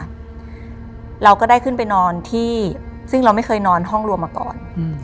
เราก็ได้ขึ้นไปนอนที่ซึ่งเราไม่เคยนอนห้องรวมมาก่อนอืม